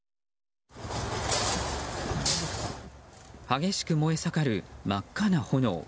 激しく燃え盛る真っ赤な炎。